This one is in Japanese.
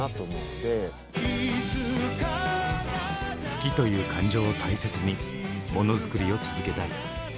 「好き」という感情を大切にもの作りを続けたい。